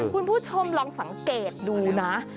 คุณผู้ชมลองสังเกตดูนะ